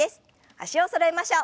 脚をそろえましょう。